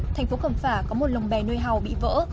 thành phố cầm phả có một lồng bè nơi hào bị vỡ